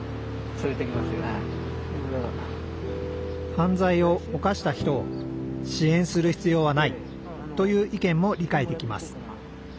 犯罪を犯した人を支援する必要はないという意見も理解できます。